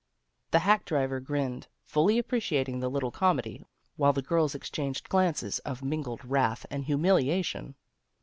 The hack driver grinned, fully appreciating the little comedy, while the girls exchanged glances of mingled wrath and humil iation.